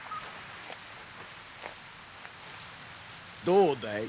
どうだい？